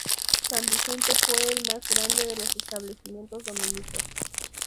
San Vicente fue el más grande de los establecimientos dominicos.